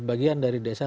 bagian dari desa